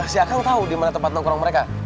si akang tau di mana tempat nongkrong mereka